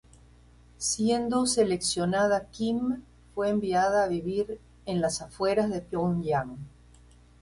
Siendo seleccionada Kim fue enviada a vivir en las afueras de Pyongyang.